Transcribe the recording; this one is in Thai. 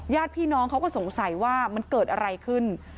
ญาติพี่น้องเขาก็สงสัยว่ามันเกิดอะไรขึ้น